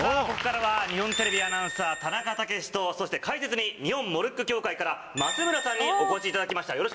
ここからは日本テレビアナウンサー田中毅とそして解説に日本モルック協会から益邑さんにお越しいただきました